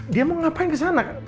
dia mau ngapain kesana